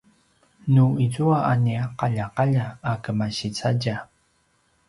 nu izua a nia qaljaqalja a kemasi cadja